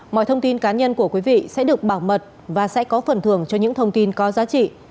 mọi thông tin cá nhân của quý vị sẽ được bảo mật và sẽ có phần thường cho những thông tin có giá trị